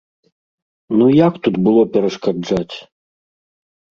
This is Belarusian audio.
Ну, як тут было перашкаджаць?!